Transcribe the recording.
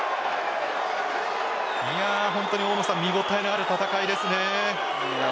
本当に見応えのある戦いですね。